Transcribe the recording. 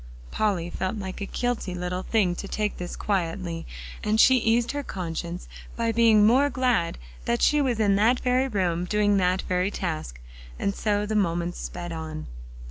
Polly felt like a guilty little thing to take this quietly, and she eased her conscience by being more glad that she was in that very room doing that very task. And so the moments sped on.